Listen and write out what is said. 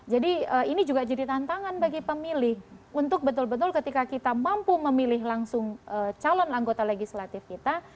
jadi ini juga jadi tantangan bagi pemilih untuk betul betul ketika kita mampu memilih langsung calon anggota legislatif kita